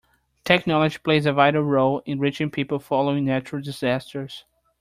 Technology plays a vital role in reaching people following natural disasters.